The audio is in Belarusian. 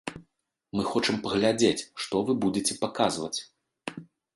Мы хочам паглядзець, што вы будзеце паказваць.